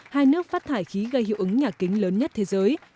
hai nước phát thải khí gây hiệu ứng nhà kính lớn nhất thế giới